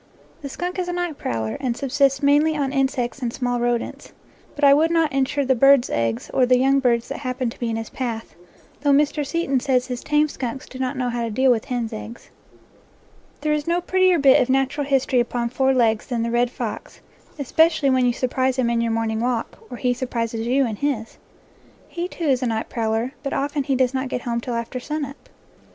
The skunk is a night prowler, and subsists mainly upon insects and small rodents; but I would not insure the birds' eggs or the young birds that hap pen to be in his path, though Mr. Seton says his tame skunks do not know how to deal with hen's eggs. There is no prettier bit of natural history upon four legs than the red fox, especially when you sur 5 NATURE LORE prise him in your morning walk, or he surprises you in his. He, too, is a night prowler, but often he does not get home till after sun up.